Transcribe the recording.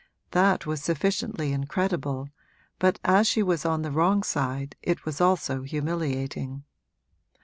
That was sufficiently incredible, but as she was on the wrong side it was also humiliating.